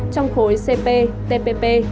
trong khối cptpp